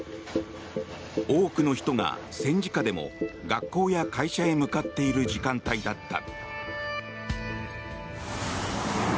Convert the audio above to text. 多くの人が、戦時下でも学校や会社へ向かっている時間帯だった。